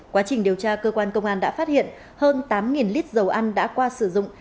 quá trình điều tra cơ quan công an đã phát hiện hơn tám lít dầu ăn đã qua sử dụng